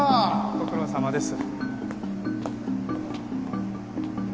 ご苦労さまです。